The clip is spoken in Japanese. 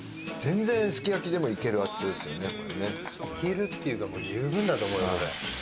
いけるっていうかもう十分だと思うよ俺。